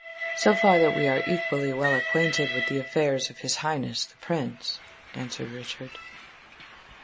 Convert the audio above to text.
"So far that we are equally well acquainted with the affairs of his Highness the Prince," answered Richard.